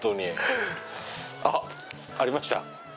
あっ！ありました。